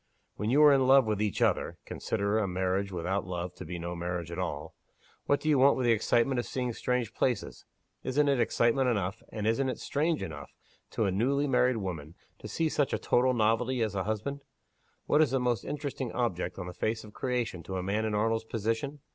When you are in love with each other (consider a marriage without love to be no marriage at all), what do you want with the excitement of seeing strange places? Isn't it excitement enough, and isn't it strange enough, to a newly married woman to see such a total novelty as a husband? What is the most interesting object on the face of creation to a man in Arnold's position?